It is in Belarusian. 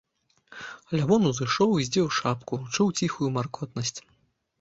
Лявон узышоў і здзеў шапку, чуў ціхую маркотнасць.